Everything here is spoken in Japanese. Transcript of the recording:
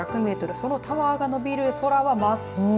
そのタワーがのびる空は真っ青。